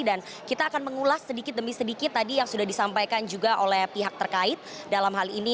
dan kita akan mengulas sedikit demi sedikit tadi yang sudah disampaikan juga oleh pihak terkait dalam hal ini